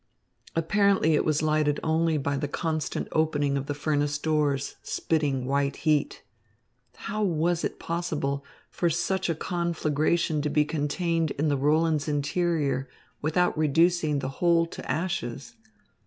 Apparently it was lighted only by the constant opening of the furnace doors, spitting white heat. How was it possible for such a conflagration to be contained in the Roland's interior without reducing the whole to ashes?